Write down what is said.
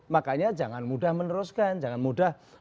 makanya jangan mudah meneruskan jangan mudah